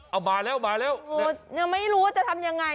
เอามาแล้วไม่รู้ว่าจะทำยังไงอ่ะ